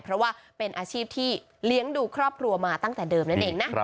เพราะว่าเป็นอาชีพที่เลี้ยงดูครอบครัวมาตั้งแต่เดิมนั่นเองนะ